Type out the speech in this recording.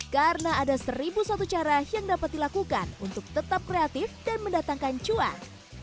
karena ada seribu satu cara yang dapat dilakukan untuk tetap kreatif dan mendatangkan cuan